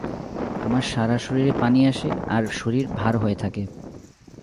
আমার সারা শরীরে পানি আসে আর শরীর ভার হয়ে থাকে।